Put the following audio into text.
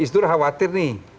isnur khawatir nih